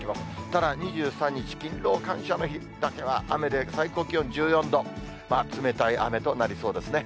ただ２３日勤労感謝の日だけは雨で、最高気温１４度、冷たい雨となりそうですね。